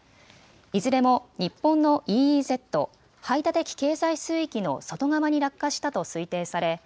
いずれも日本のＥＥＺ・排他的経済水域の外側に落下したと推定され